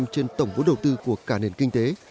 trên tổng vốn đầu tư của cả nền kinh tế